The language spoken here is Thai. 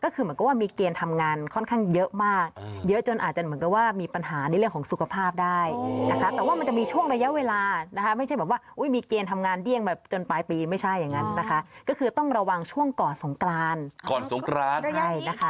ก็คือเหมือนกับว่ามีเกณฑ์ทำงานค่อนข้างเยอะมากเยอะจนอาจจะเหมือนกับว่ามีปัญหาในเรื่องของสุขภาพได้นะคะแต่ว่ามันจะมีช่วงระยะเวลานะคะไม่ใช่แบบว่าอุ้ยมีเกณฑ์ทำงานเลี่ยงแบบจนปลายปีไม่ใช่อย่างนั้นนะคะก็คือต้องระวังช่วงก่อนสงกรานก่อนสงกรานใช่นะคะ